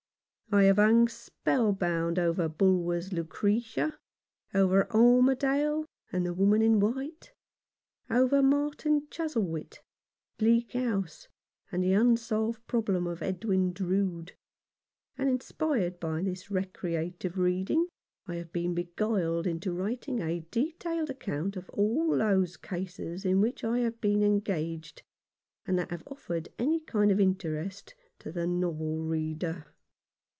I have hung spell bound over Bulwer's " Lucretia," over "Armadale," and "The Woman in White," over "Martin Chuzzlewit," "Bleak House," and the unsolved problem of "Edwin Drood;" and, inspired by this recreative reading, I have been beguiled into writing a detailed account of all those cases in which I have been engaged that have offered any kind of interest to the novel reader.